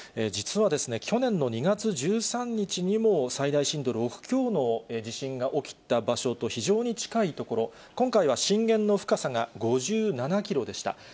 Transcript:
実は、去年の２月１３日にも最大震度６強の地震が起きた場所と、非常に近い所、今回は震源の深さが５７キロでした。